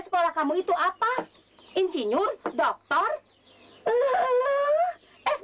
sekolah kamu itu apa insinyur dokter